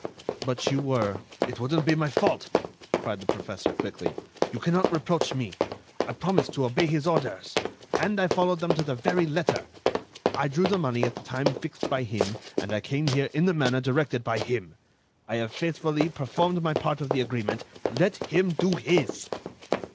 "But you were—" "It wouldn't be my fault," cried the professor, quickly. "You cannot reproach me. I promised to obey his orders, and I followed them to the very letter. I drew the money at the time fixed by him, and I came here in the manner directed by him. I have faithfully performed my part of the agreement—let him do his!"